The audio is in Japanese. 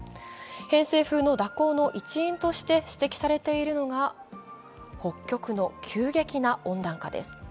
偏西風の蛇行の一因として指摘されているのが北極の急激な温暖化です。